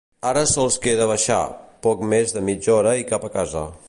Ara sols queda baixar, poc més de mitja hora i cap a casa.